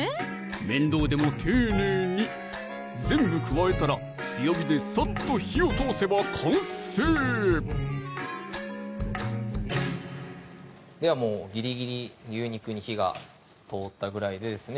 面倒でも丁寧に全部加えたら強火でサッと火を通せば完成ではもうギリギリ牛肉に火が通ったぐらいでですね